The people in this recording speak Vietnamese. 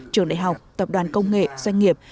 trường đại học tập đoàn công nghệ doanh nghiệp